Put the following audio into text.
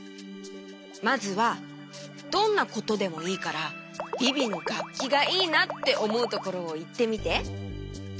まずはどんなことでもいいからビビのがっきがいいなっておもうところをいってみて。